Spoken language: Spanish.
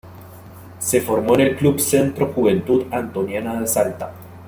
Se formó en el Club Centro Juventud Antoniana de Salta.